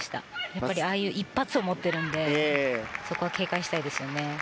やっぱりああいう一発を持っているのでそこは警戒したいですよね。